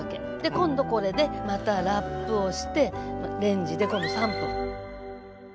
今度これでまたラップをしてレンジで今度３分。